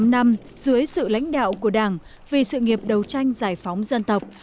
tám mươi tám năm dưới sự lãnh đạo của đảng vì sự nghiệp đấu tranh giải phóng dân tộc